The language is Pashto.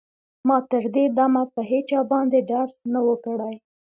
ما تر دې دمه په هېچا باندې ډز نه و کړی